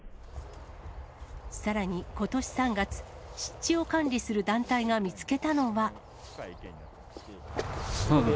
さらにことし３月、湿地を管理する団体が見つけたのは。